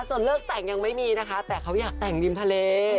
ส่วนเลิกแต่งยังไม่มีนะคะแต่เขาอยากแต่งริมทะเล